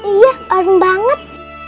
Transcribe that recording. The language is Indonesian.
iya arum banget